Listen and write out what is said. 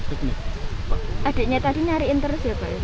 adiknya tadi nyari inters ya pak